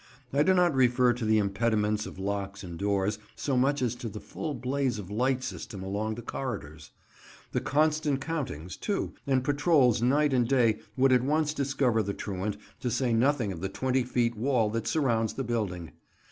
I do not refer to the impediments of locks and doors so much as to the full blaze of light system along the corridors. The constant countings, too, and patrols night and day would at once discover the truant, to say nothing of the 20 feet wall that surrounds the building.